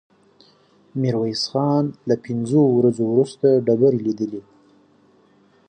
ميرويس خان له پنځو ورځو وروسته ډبرې ليدلې.